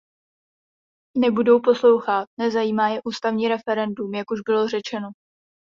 Nebudou poslouchat, nezajímá je ústavní referendum, jak už bylo řečeno.